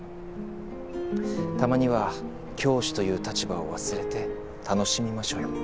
たまには教師という立場を忘れて楽しみましょうよ。